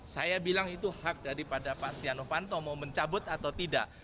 saya bilang itu hak daripada pak stiano fanto mau mencabut atau tidak